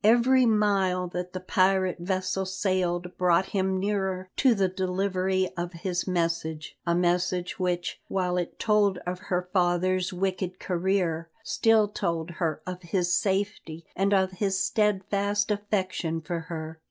Every mile that the pirate vessel sailed brought him nearer to the delivery of his message a message which, while it told of her father's wicked career, still told her of his safety and of his steadfast affection for her.